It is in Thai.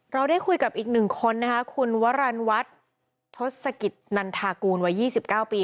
เราได้คุยกับอีกหนึ่งคนนะคะคุณวรรณวัฒน์ทศกิจนันทากูลวัย๒๙ปี